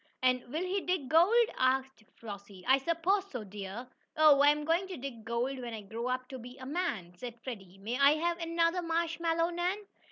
"And will he dig gold?" asked Flossie. "I suppose so, dear!" "Oh, I'm going to dig gold when I grow to be a man," said Freddie. "May I have another marshmallow, Nan?"